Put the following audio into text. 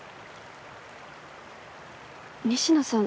仁科さん